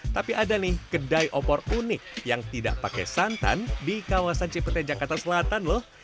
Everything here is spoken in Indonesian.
tapi ada nih kedai opor unik yang tidak pakai santan di kawasan cipete jakarta selatan loh